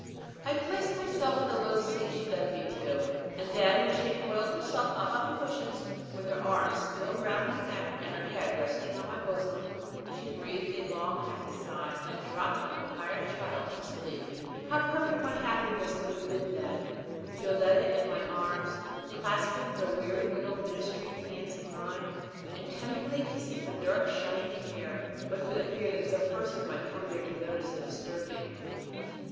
I placed myself on the low seat she led me to, and then, when she had coiled herself up on the cushions, with her arms still round my neck, and her head resting on my bosom, she breathed a long happy sigh, and dropped like a tired child to sleep. How perfect my happiness would have been then, with Yoletta in my arms, clasping her weary little ministering hands in mine, and tenderly kissing her dark, shining hair, but for the fear that some person might come there to notice and disturb me.